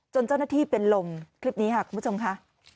เจ้าหน้าที่เป็นลมคลิปนี้ค่ะคุณผู้ชมค่ะ